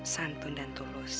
santun dan tulus